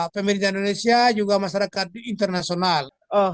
pemerintah indonesia juga masyarakat internasional